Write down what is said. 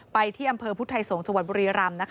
ไปที่อำเภอพุทธไทยสงศ์จังหวัดบุรีรำ